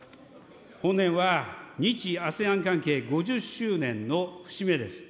本年は日・ＡＳＥＡＮ関係５０周年の節目です。